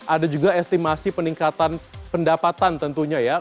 ada juga estimasi peningkatan pendapatan tentunya ya